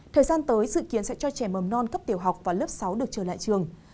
thời gian tới dự kiến sẽ cho trẻ mầm non cấp tiểu học và lớp sáu được trở lại trường